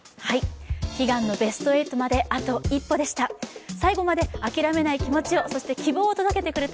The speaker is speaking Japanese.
悲願のベスト８まであと一歩でした。